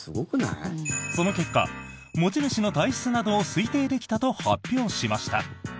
その結果、持ち主の体質などを推定できたと発表しました。